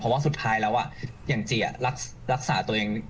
เพราะว่าสุดท้ายแล้วอย่างจีรักษาตัวเอง